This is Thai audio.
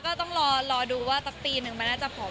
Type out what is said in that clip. ก็ต้องรอดูว่าสักปีนึงมันน่าจะผอม